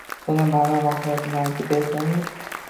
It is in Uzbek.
Buning ma’no-mohiyatini aytib bersangiz?